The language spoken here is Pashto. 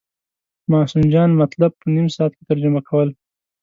معصوم جان مطلب په نیم ساعت کې ترجمه کول.